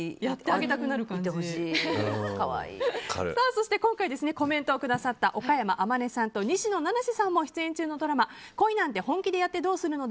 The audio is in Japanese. そして、今回コメントをくださった岡山天音さんと西野七瀬さんも出演中のドラマ「恋なんて、本気でやってどうするの？」